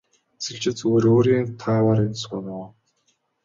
Эсвэл чи зүгээр өөрийн тааваар энд сууна уу.